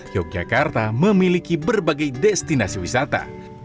yogyakarta memiliki berbagai destinasi wisata